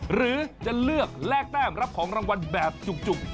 หรือจะเลือกแลกแต้มรับของรางวัลแบบจุก